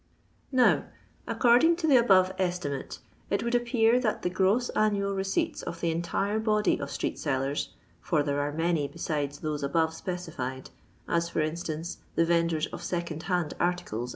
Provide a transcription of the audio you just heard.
3 Now, according to the above estimate, it would appear that the gross annual receipts of the entire body of street sellers (for there are many besides those above specified — as for instance, the vendors of second hand articles, &c.)